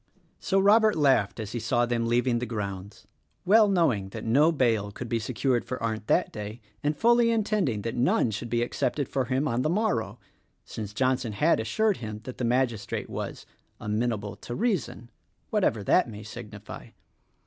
So Robert laughed as he saw them leaving the grounds, — well knowing that no bail could be secured for Arndt that day, and fully intending that none should be accepted for him on the morrow; since Johnson had assured him that the magistrate was "Amenable to Reason" — whatever that may signify.